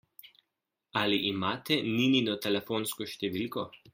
Ali imate Ninino telefonsko številko?